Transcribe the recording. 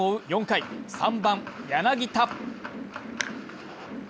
４回、３番・柳田。